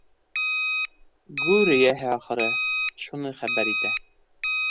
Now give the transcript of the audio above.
«Гүр эйәһе ахыры, шуны хәбәр итә!»